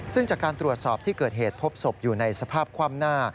ซึ่งจากการตรวจสอบที่เกิดเหตุพบศพอยู่ในสภาพคว่ำหน้า